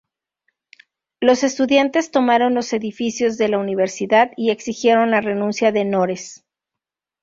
Los estudiantes tomaron los edificios de la Universidad y exigieron la renuncia de Nores.